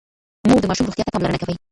مور د ماشوم روغتيا ته پاملرنه کوي.